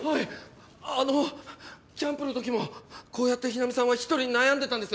あのキャンプの時もこうやって日菜美さんは１人悩んでたんです！